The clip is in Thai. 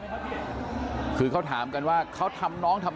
นี่ค่ะคือเขาถามกันว่าเขาทำไมไม่ช่วยเขาอะ